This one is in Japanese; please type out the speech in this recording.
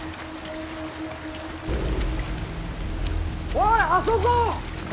おいあそこ！